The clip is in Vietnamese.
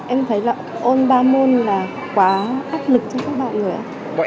em thấy là ôn ba môn là quá áp lực cho các bạn rồi ạ